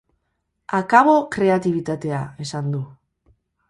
Akabo kreatibitatea, esan du.